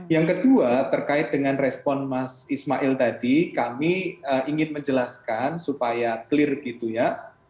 yang kedua terkait dengan respon mas ismail tadi kami ingin menjelaskan supaya clear gitu ya